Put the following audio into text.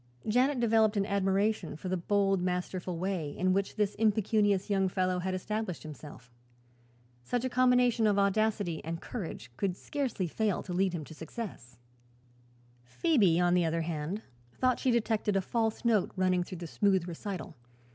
Janet developed an admiration for the bold, masterful way in which this impecunious young fellow had established himself. Such a combination of audacity and courage could scarcely fail to lead him to success. Phoebe, on the other hand, thought she detected a false note running through the smooth recital.